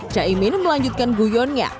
chaimin melanjutkan guyonnya